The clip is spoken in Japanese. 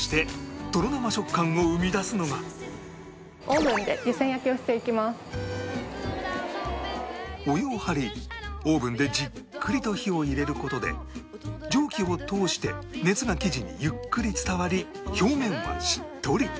そしてお湯を張りオーブンでじっくりと火を入れる事で蒸気を通して熱が生地にゆっくり伝わり表面はしっとり